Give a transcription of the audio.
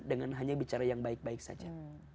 dengan hanya bicara yang baik baik saja